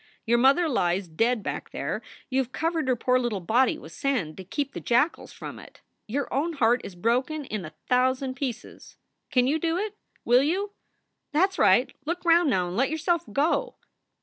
Your mother lies dead back there; you ve covered her poor little body with sand to keep the jackals from it. Your own heart is broken in a thousand pieces. Can you do it? Will you? That s right. Look round now and let yourself go."